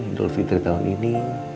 idul fitri tahun ini